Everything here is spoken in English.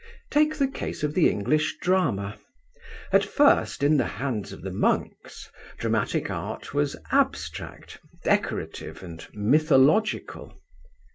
'Take the case of the English drama. At first in the hands of the monks Dramatic Art was abstract, decorative and mythological.